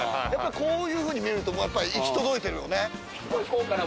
こういうふうに見えるとやっぱ行き届いてるよね。